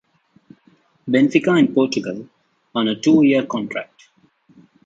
Benfica in Portugal on a two-year contract.